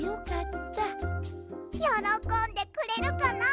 よろこんでくれるかな？